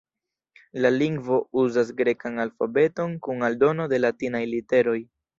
La lingvo uzas grekan alfabeton kun aldono de latinaj literoj.